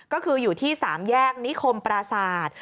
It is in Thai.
ก็คืออยู่ที่๓แยกนิคมปราศาสตร์